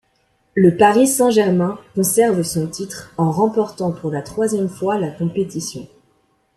Le Paris Saint-Germain conserve son titre en remportant pour la troisième fois la compétition.